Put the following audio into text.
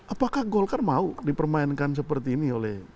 apakah golkar mau dipermainkan seperti ini oleh